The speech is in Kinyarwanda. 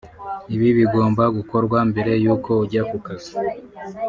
Ibi bigomba gukorwa mbere y’uko ujya ku kazi